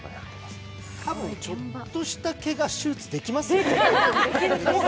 たぶん、ちょっとしたけが、手術できますよね。